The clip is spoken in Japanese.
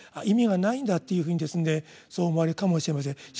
意味がないんだっていうふうにそう思われるかもしれません。